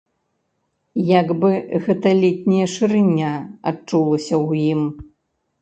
Як бы гэта летняя шырыня адчулася ў ім.